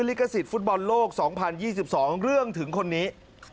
ลิขสิทธิฟุตบอลโลก๒๐๒๒เรื่องถึงคนนี้